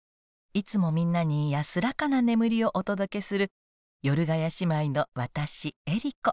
いつもみんなに安らかな眠りをお届けするヨルガヤ姉妹の私エリコ。